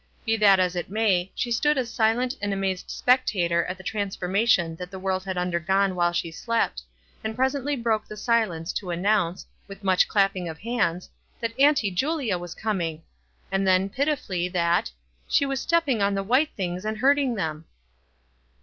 Be that as it may, she stood a silent and amazed spectator at the transformation that the world had undergone while she slept, and presently broke the silence to announce, with much chipping of hands, that "Auntie Julia was coming," and then, pitifully, that "she was stepping on the white things and hurting them.''